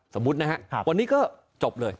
สมมุตินะครับวันนี้ก็จบเลย